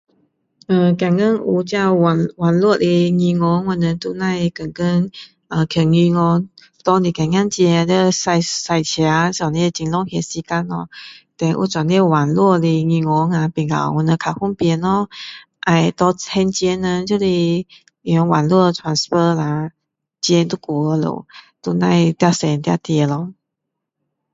呃现今有这个网络的银行的我们都不用天天去银行拿一点点钱就要开车这样很浪费时间哦 then 有这样网络的银行啊我们比较方便咯要拿还钱的人就是用网络 transfer 下啦钱就过去了都不用跑进跑出咯